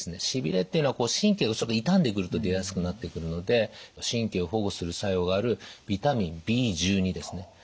しびれっていうのは神経が傷んでくると出やすくなってくるので神経を保護する作用があるビタミンＢですね。